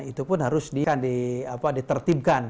itu pun harus ditertibkan